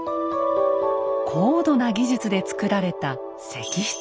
高度な技術でつくられた石室。